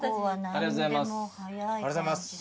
ありがとうございます。